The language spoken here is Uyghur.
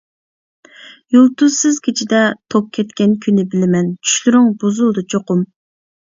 يۇلتۇزسىز كېچىدە توك كەتكەن كۈنى بىلىمەن، چۈشلىرىڭ بۇزۇلدى چوقۇم.